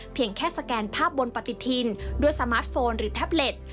เพียงแค่สแกนภาพบนปฏิทินด้วยสมาร์ทโฟนหรือแท็บเล็ต